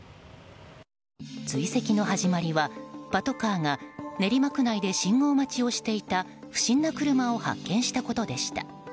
追跡の始まりはパトカーが練馬区内で信号待ちをしていた不審な車を発見したことでした。